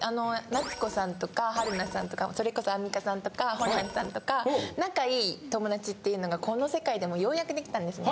夏子さんとか春菜さんとかそれこそアンミカさんとかホランさんとか仲いい友達っていうのがこの世界でもようやくできたんですね。